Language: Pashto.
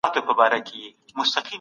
ټولنيزه بياکتنه دوهم مهم عامل دی.